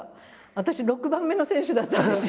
私６番目の選手だったんですよ。